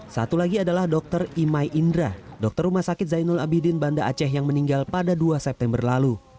satu lagi adalah dr imai indra dokter rumah sakit zainul abidin banda aceh yang meninggal pada dua september lalu